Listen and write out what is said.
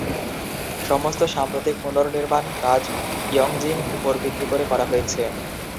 সমস্ত সাম্প্রতিক পুনর্নির্মাণ কাজ "ইয়ংজিং" উপর ভিত্তি করে করা হয়েছে।